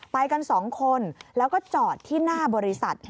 ไปกันสองคนแล้วก็จอดที่หน้าบริษัท